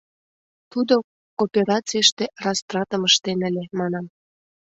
Тудо кооперацийыште растратым ыштен ыле, манам.